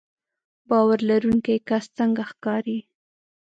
باور لرونکی کس څنګه ښکاري